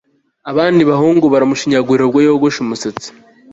Abandi bahungu baramushinyagurira ubwo yogosha umusatsi